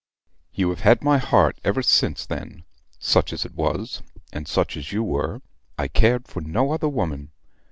." "You have had my heart ever since then, such as it was; and such as you were, I cared for no other woman.